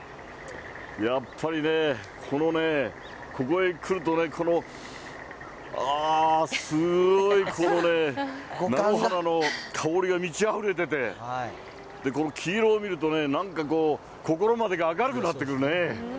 やっぱりね、このね、ここへ来るとね、この、あぁ、すごいこのね、菜の花の香りが満ちあふれてて、この黄色を見るとね、なんか心までが明るくなってくるね。